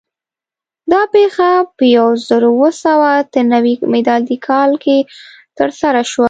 دا پېښه په یو زرو اوه سوه اته نوي م کال کې ترسره شوه.